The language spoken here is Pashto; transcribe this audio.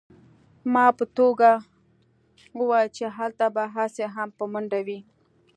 ما په ټوکه وویل چې هلته به هسې هم په منډه وې